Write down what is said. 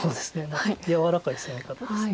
何か柔らかい攻め方です。